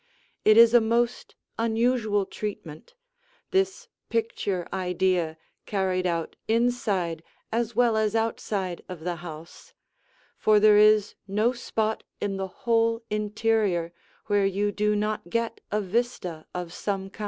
It is a most unusual treatment, this picture idea carried out inside as well as outside of the house, for there is no spot in the whole interior where you do not get a vista of some kind.